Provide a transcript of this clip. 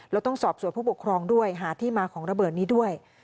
แล้วต้องสอบส่วนผู้ปกครองด้วยหาที่มาของระเบิดนี้ด้วย